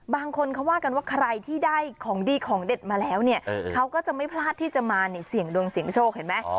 บางคนเขาว่ากันว่าใครที่ได้ของดีของเด็ดมาแล้วเนี่ยเขาก็จะไม่พลาดที่จะมาเนี่ยเสี่ยงดวงเสี่ยงโชคเห็นไหม